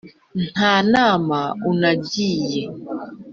nta nama unagiye